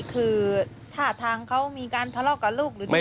คือท่าทางเขามีการทะเลาะกับลูกหรือยังไง